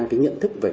cái nhận thức về cái